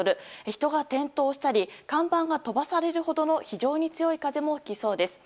人が転倒したり看板が飛ばされるほどの非常に強い風も吹きそうです。